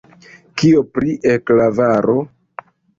Kio pri E-klavaro?